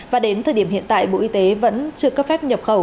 và đến thời điểm hiện tại bộ y tế vẫn chưa cấp phép nhập khẩu